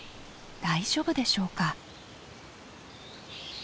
大丈夫でしょうか？